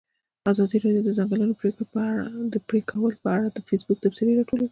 ازادي راډیو د د ځنګلونو پرېکول په اړه د فیسبوک تبصرې راټولې کړي.